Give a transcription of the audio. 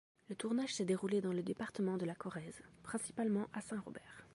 Le tournage s'est déroulé dans le département de la Corrèze, principalement à Saint Robert.